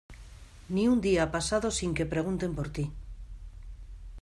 Ni un día ha pasado sin que pregunten por tí.